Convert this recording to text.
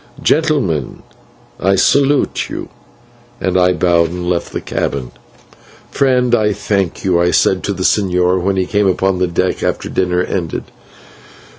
Gentlemen, I salute you," and I bowed and left the cabin. "Friend, I thank you," I said to the señor, when he came upon deck after the dinner was ended.